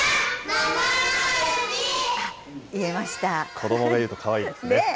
子どもが言うとかわいいですねぇ。